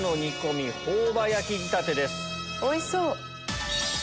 おいしそう！